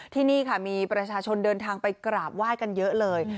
ที่นี่ค่ะมีประชาชนเดินทางไปกราบไหว้กันเยอะเลย